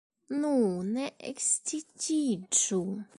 Nu, ne ekscitiĝu!